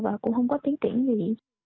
và cũng không có tiến triển gì